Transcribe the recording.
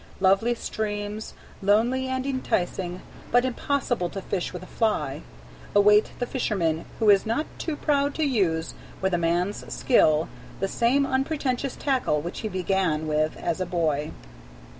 Lovely streams, lonely and enticing, but impossible to fish with a fly, await the fisherman who is not too proud to use, with a man's skill, the same unpretentious tackle which he began with as a boy.